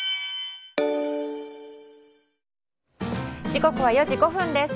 時刻は４時５分です。